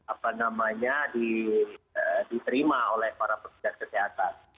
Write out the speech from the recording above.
apa namanya diterima oleh para petugas kesehatan